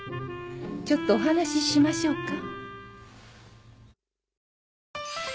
ちょっとお話ししましょうか。